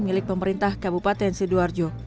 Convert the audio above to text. milik pemerintah kabupaten sidoarjo